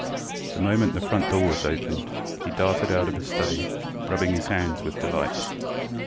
The moment the front door was opened he darted out of his study, rubbing his hands with delight.